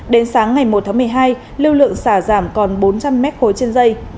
đến sáng ngày một tháng một mươi hai lưu lượng xả giảm còn bốn trăm linh m ba trên dây